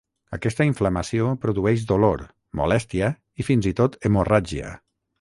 Aquesta inflamació produeix dolor, molèstia i fins i tot hemorràgia.